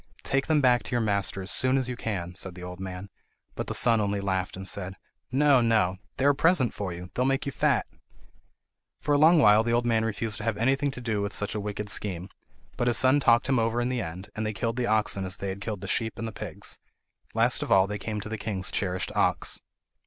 "Take them back to your master as soon as you can," said the old man; but the son only laughed, and said: "No, no; they are a present to you! They will make you fat!" For a long while the old man refused to have anything to do with such a wicked scheme; but his son talked him over in the end, and they killed the oxen as they had killed the sheep and the pigs. Last of all they came to the king's cherished ox.